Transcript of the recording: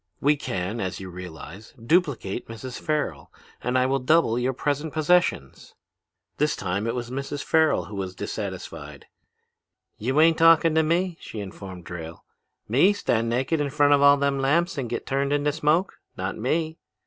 We can, as you realize, duplicate Mrs. Farrel, and I will double your present possessions.' "This time it was Mrs. Farrel who was dissatisfied. 'You ain't talking to me,' she informed Drayle. 'Me stand naked in front of all them lamps and get turned into smoke? Not me!'